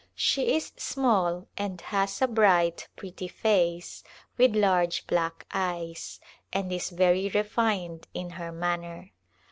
She is small and has a bright, pretty face with large black eyes, and is very refined in her manner.